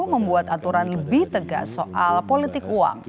membuat aturan lebih tegas soal politik uang